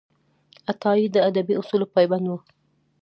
عطايي د ادبي اصولو پابند و.